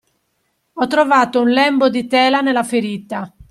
Ho trovato un lembo di tela nella ferita.